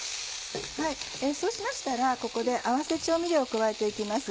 そうしましたらここで合わせ調味料を加えて行きます。